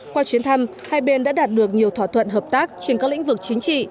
qua chuyến thăm hai bên đã đạt được nhiều thỏa thuận hợp tác trên các lĩnh vực chính trị